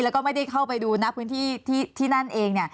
แล้วก็ไม่ได้เข้าไปดูนะพื้นที่ที่นั่นเอง